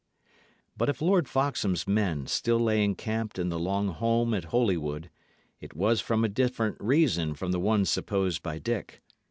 But if Lord Foxham's men still lay encamped in the long holm at Holywood, it was from a different reason from the one supposed by Dick.